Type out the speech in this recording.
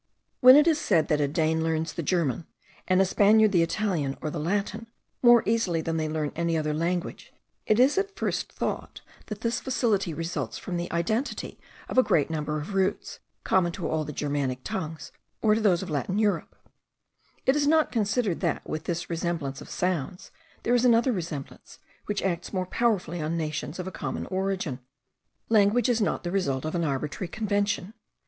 When it is said that a Dane learns the German, and a Spaniard the Italian or the Latin, more easily than they learn any other language, it is at first thought that this facility results from the identity of a great number of roots, common to all the Germanic tongues, or to those of Latin Europe; it is not considered, that, with this resemblance of sounds, there is another resemblance, which acts more powerfully on nations of a common origin. Language is not the result of an arbitrary convention.